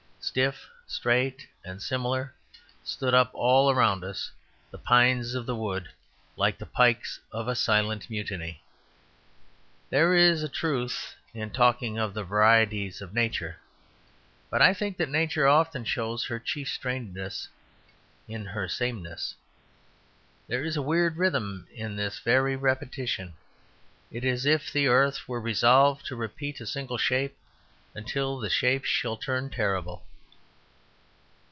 Stiff, straight, and similar, stood up all around us the pines of the wood, like the pikes of a silent mutiny. There is a truth in talking of the variety of Nature; but I think that Nature often shows her chief strangeness in her sameness. There is a weird rhythm in this very repetition; it is as if the earth were resolved to repeat a single shape until the shape shall turn terrible.